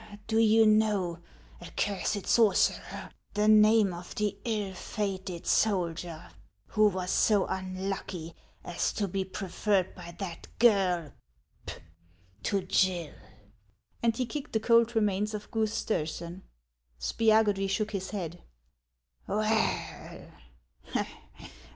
" Do you know, accursed sorcerer, the name of the ill fated soldier who was so unlucky as to be preferred by that girl to Gill ?" And he kicked the cold remains of Guth Stersen. Spiagudry shook his head. " Well